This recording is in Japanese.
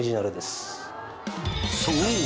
［そう！